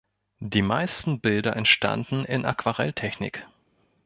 Die meisten Bilder entstanden in Aquarelltechnik.